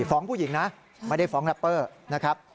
ฟ้องผู้หญิงนะไม่ได้ฟ้องแรปเปอร์นะครับ